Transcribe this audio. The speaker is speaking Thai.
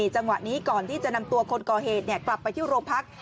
จังหวะนี้ก่อนที่จะนำตัวคนก่อเหตุกลับไปที่โรงพัก